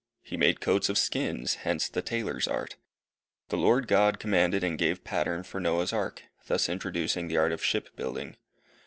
"He made coats of skins," hence the tailor's art. The Lord God commanded and gave pattern for Noah's Ark, thus introducing the art of shipbuilding.